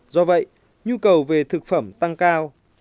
do vậy nhu cầu về thực phẩm tăng cao